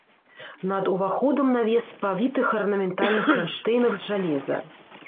Над уваходам навес па вітых арнаментальных кранштэйнах з жалеза.